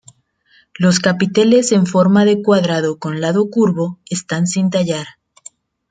Los capiteles en forma de cuadrado con lado curvo están sin tallar.